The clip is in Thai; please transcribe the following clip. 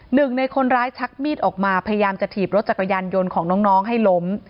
หนึ่งในคนร้ายชักมีดออกมาพยายามจะถีบรถจักรยานยนต์ของน้องให้ล้ม